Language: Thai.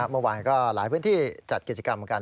เมื่อวานก็หลายพื้นที่จัดกิจกรรมกัน